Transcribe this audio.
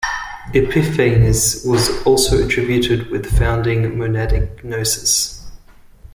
Epiphanes was also attributed with founding Monadic Gnosis.